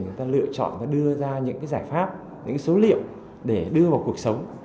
chúng ta lựa chọn và đưa ra những giải pháp những số liệu để đưa vào cuộc sống